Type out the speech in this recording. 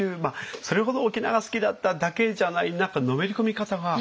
それほど沖縄が好きだっただけじゃない何かのめり込み方がすごいなと思って。